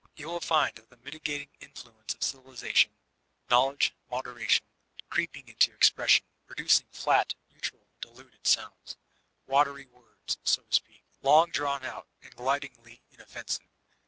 You will find that the mitigating influence of civilization, — knowledge, moderation, — creeping into expression, produces flat, neutral, diluted sounds, — ^watery words, so to speak, long drawn out and glidingly inoffensive.